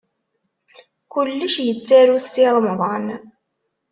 Kullec yettaru-t Si Remḍan.